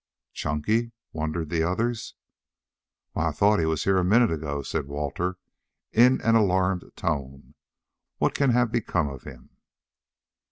"Chunky?" wondered the others. "Why, I thought he was here a moment ago," said Walter in an alarmed tone. "What can have become of him?"